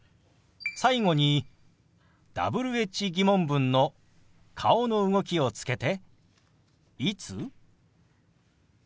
最後にＷｈ−疑問文の顔の動きをつけて「いつ？」。